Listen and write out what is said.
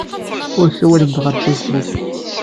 Ur ssawalemt ɣef Facebook.